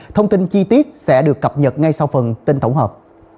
thông tin chi tiết sẽ được cập nhật ngay sau phần tin tổng hợp